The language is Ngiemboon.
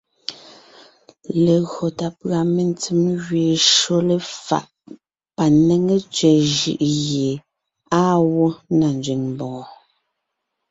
Legÿo tà pʉ̀a mentsèm gẅeen shÿó léfaʼ panéŋe tẅɛ̀ jʉʼ gie àa gwó na nzẅìŋ mbòŋo.